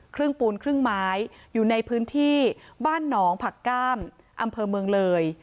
ปูนครึ่งไม้อยู่ในพื้นที่บ้านหนองผักก้ามอำเภอเมืองเลย